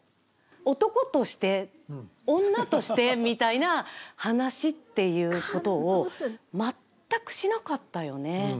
男として、女としてみたいな話っていうことを、全くしなかったよね？